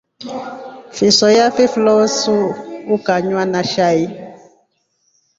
Fisoya fifloso ikanywa na shai.